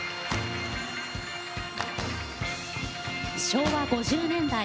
昭和５０年代。